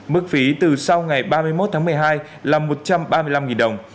mức phí từ sau ngày ba mươi một tháng một mươi hai là một trăm ba mươi năm đồng